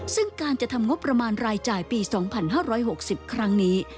ซึ่งการจะทำงบประมาณรายจ่ายปี๒๕๖๐ครั้งนี้